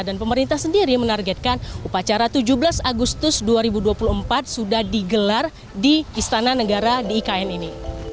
dan pemerintah sendiri menargetkan upacara tujuh belas agustus dua ribu dua puluh empat sudah digelar di istana negara di ikn ini